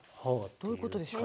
どういうことでしょう？